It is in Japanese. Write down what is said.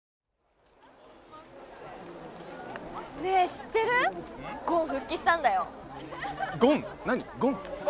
ゴン復帰したんだよ。